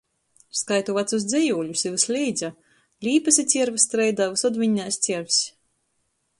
Skaitu vacus dzejūļus, i vysleidza - līpys i cierva streidā vysod vinnēs ciervs.